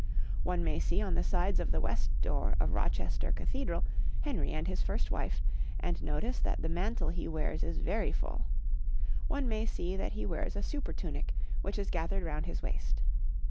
One may see on the sides of the west door of Rochester Cathedral Henry and his first wife, and notice that the mantle he wears is very full; one may see that he wears a supertunic, which is gathered round his waist.